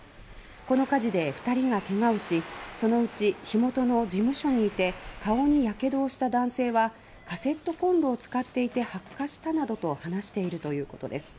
この火事で２人がけがをしそのうち火元の事務所にいて顔にやけどをした男性はカセットコンロを使っていて発火したなどと話しているということです。